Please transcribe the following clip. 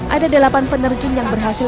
ada delapan penerjun yang berhasil